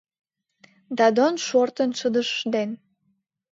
Дадон шортын шыдыж ден